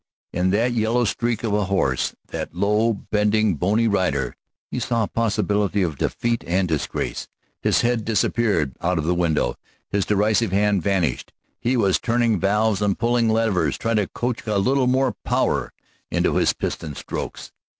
In that yellow streak of horse, that low bending, bony rider, he saw a possibility of defeat and disgrace. His head disappeared out of the window, his derisive hand vanished. He was turning valves and pulling levers, trying to coax a little more power into his piston strokes.